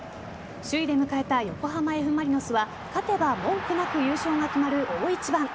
首位で迎えた横浜Ｆ・マリノスは勝てば文句なく優勝が決まる大一番。